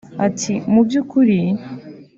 Ati "Mu by’ukuri